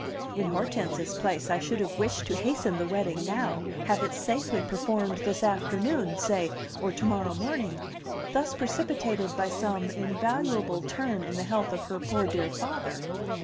In Hortense's place I should have wished to hasten the wedding now, have it safely performed this afternoon, say, or to morrow morning; thus precipitated by some invaluable turn in the health of her poor dear father.